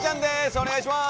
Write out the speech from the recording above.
お願いします。